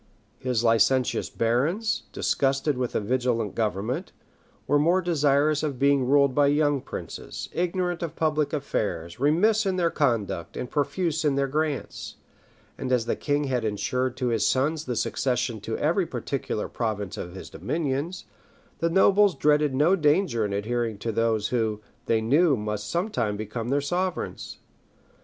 ] His licentious barons, disgusted with a vigilant government, were more desirous of being ruled by young princes, ignorant of public affairs, remiss in their conduct, and profuse in their grants; and as the king had insured to his sons the succession to every particular province of his dominions, the nobles dreaded no danger in adhering to those who, they knew, must some time become their sovereigns.